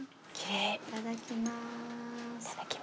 いただきます。